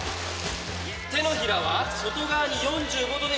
手のひらは外側に４５度で入水。